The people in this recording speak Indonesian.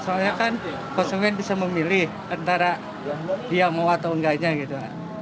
soalnya kan konsumen bisa memilih antara dia mau atau enggaknya gitu